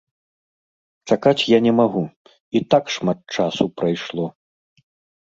Чакаць я не магу, і так шмат часу прайшло.